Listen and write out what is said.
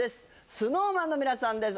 ＳｎｏｗＭａｎの皆さんです